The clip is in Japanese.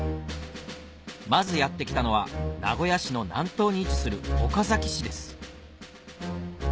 まずやって来たのは名古屋市の南東に位置する岡崎市です